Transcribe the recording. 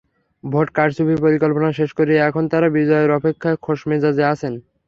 Vote কারচুপির পরিকল্পনা শেষ করে এখন তাঁরা বিজয়ের অপেক্ষায় খোশমেজাজে আছেন।